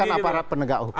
ini aparat penegak hukum